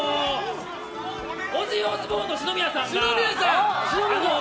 オジンオズボーンの篠宮さんが。